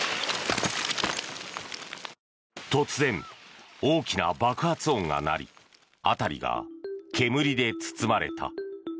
突然、大きな爆発音が鳴り辺りが煙で包まれた。